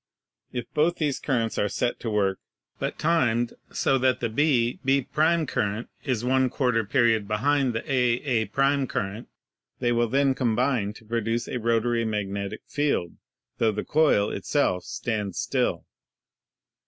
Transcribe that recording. If both these currents are set to work but timed so that the B B' current is *% period behind the A A' current, they will then combine to produce a rotatory mag netic field, tho the coil itself stands still.